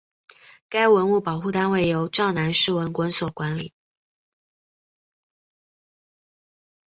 该文物保护单位由洮南市文管所管理。